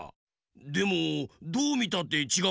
でもどうみたってちがうよな。